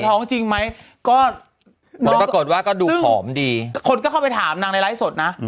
ท้องจริงไหมก็ผลปรากฏว่าก็ดูผอมดีคนก็เข้าไปถามนางในไลฟ์สดนะ